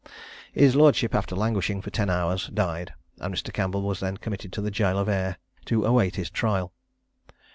His lordship, after languishing for ten hours, died; and Mr. Campbell was then committed to the jail of Ayr to await his trial.